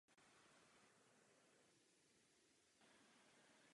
Největšími městy oblasti jsou Napier a Hastings.